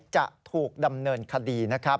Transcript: จะถูกดำเนินคดีนะครับ